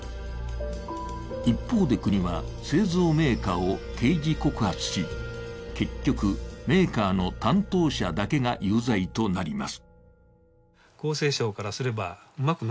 一方で国は製造メーカーを刑事告発し結局、メーカーの担当者だけが有罪となります。